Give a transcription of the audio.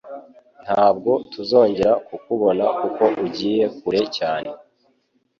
Ntabwo tuzongera kukubona kuko ujyiye kure cyane.